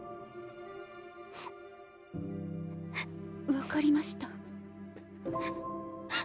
分かりました。